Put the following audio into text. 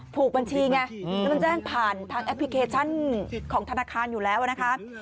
ถูกบัญชีไงแล้วมันแจ้งผ่านทางแอปพลิเคชันของธนาคารอยู่แล้วนะคะ